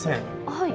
はい。